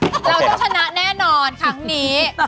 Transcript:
เราต้องชนะแน่นอนครั้งนี้